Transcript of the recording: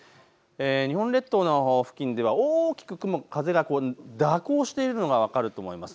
日本列島の付近では大きく風が蛇行しているのが分かると思います。